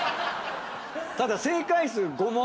ただ正解数５問。